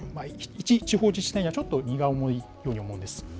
一地方自治体には、ちょっと荷が重いように思うんです。